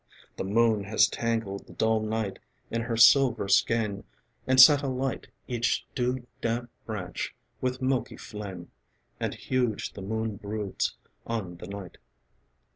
The moon has tangled the dull night In her silver skein and set alight Each dew damp branch with milky flame. And huge the moon broods on the night.